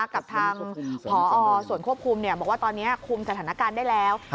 กับทางพอส่วนควบคุมบอกว่าตอนนี้คุมสถานการณ์ได้แล้ว